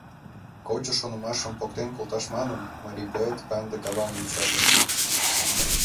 Кочо шонымашым поктен колташ манын, марий поэт канде кавам ончале.